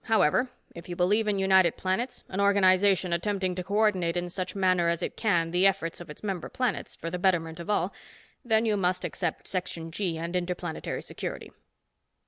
However, if you believe in United Planets, an organization attempting to co ordinate in such manner as it can, the efforts of its member planets, for the betterment of all, then you must accept Section G and Interplanetary Security."